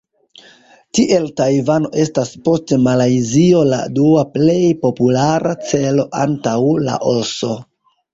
Tiel Tajvano estas post Malajzio la dua plej populara celo antaŭ Laoso.